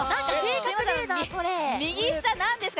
右下、なんですか？